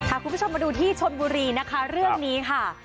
คุณผู้ชมมาดูที่ชนบุรีนะคะเรื่องนี้ค่ะ